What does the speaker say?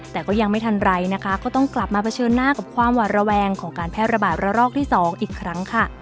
แต่ก็ยังไม่ทันไรนะคะก็ต้องกลับมาเผชิญหน้ากับความหวาดระแวงของการแพร่ระบาดระรอกที่๒อีกครั้งค่ะ